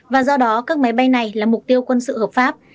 và do đó các máy bay này là mục tiêu quân sự hợp pháp